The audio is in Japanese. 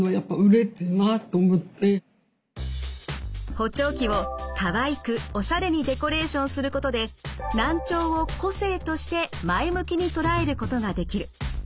補聴器をかわいくおしゃれにデコレーションすることで難聴を個性として前向きに捉えることができる。